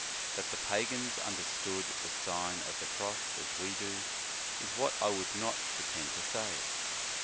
That the pagans understood the Sign of the Cross as we do, is what I would not pre tend to say.